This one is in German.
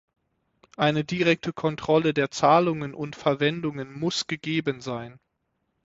Eine direkte Kontrolle der Zahlungen und Verwendungen muss gegeben sein.